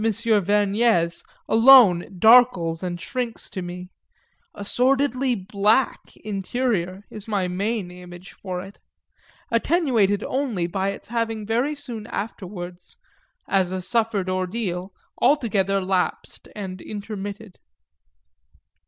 Vergnès alone darkles and shrinks to me a sordidly black interior is my main image for it; attenuated only by its having very soon afterwards, as a suffered ordeal, altogether lapsed and intermitted.